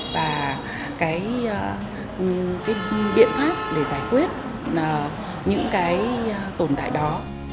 và cái biện pháp để giải quyết những cái tồn tại đó